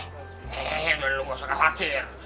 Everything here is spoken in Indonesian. hei jangan lu masalah khawatir